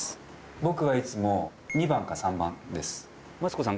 僕はいつも２番か３番ですマツコさん